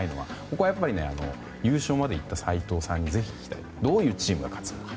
ここは優勝までいった斎藤さんにぜひ、聞きたいどういうチームが勝つのか。